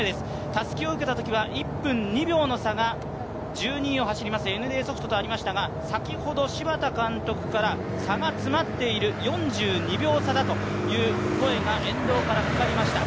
たすきを受けたときは１分２秒の差が、１２位を走りますＮＤソフトとありましたが先ほど、柴田監督から差が詰まっている４２秒差だという声が沿道からかかりました。